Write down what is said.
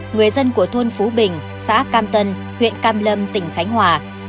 người dân của thôn phú bình xã cam tân huyện cam lâm tỉnh khánh hòa